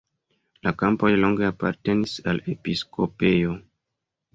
La kampoj longe apartenis al episkopejo.